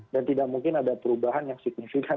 dan tidak mungkin ada perubahan yang signifikan